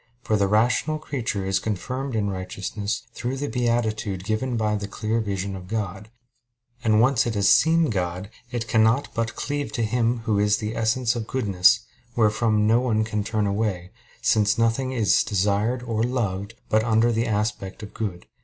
For the rational creature is confirmed in righteousness through the beatitude given by the clear vision of God; and when once it has seen God, it cannot but cleave to Him Who is the essence of goodness, wherefrom no one can turn away, since nothing is desired or loved but under the aspect of good.